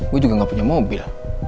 gue juga gak punya mobil